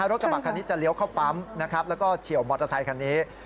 รถกระบะคันนี้จะเลี้ยวเข้าปั๊มนะครับแล้วก็เฉียวมอเตอร์ไซคันนี้